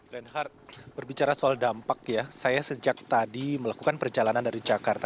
reinhardt berbicara soal dampak ya saya sejak tadi melakukan perjalanan dari jakarta